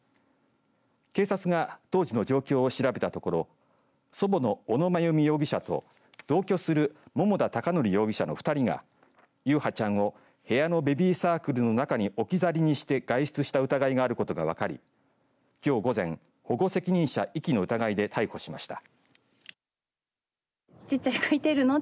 警察が当時の状況を調べたところ祖母の小野真由美容疑者と同居する桃田貴徳容疑者の２人が優陽ちゃんを部屋のベビーサークルの中に置き去りにして外出した疑いがあることが分かりきょう午前保護責任者遺棄の疑いで逮捕しました。